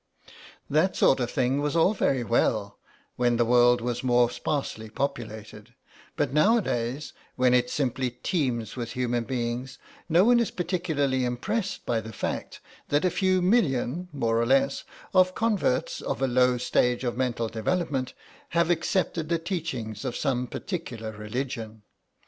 That sort of thing was all very well when the world was more sparsely populated, but nowadays, when it simply teems with human beings, no one is particularly impressed by the fact that a few million, more or less, of converts, of a low stage of mental development, have accepted the teachings of some particular religion.